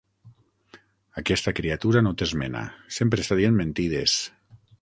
Aquesta criatura no té esmena, sempre està dient mentides.